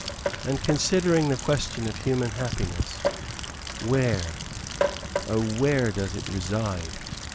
And, considering the question of human happiness, where, oh where does it reside?